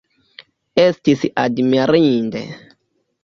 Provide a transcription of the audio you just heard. Estis admirinde!